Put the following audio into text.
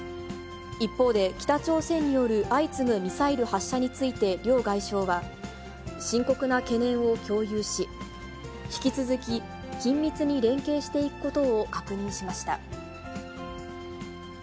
一方で、北朝鮮による相次ぐミサイル発射について両外相は、深刻な懸念を共有し、引き続き緊密に連携していくことを確認しました。